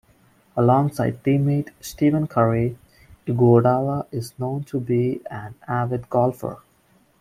Alongside teammate Stephen Curry, Iguodala is known to be an avid golfer.